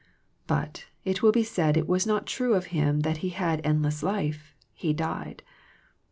But, it will be said it was not true of Him that He had endless life — He died.